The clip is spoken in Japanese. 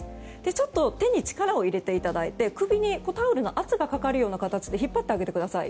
ちょっと手に力を入れていただいて首にタオルの圧がかかるような形で引っ張ってあげてください。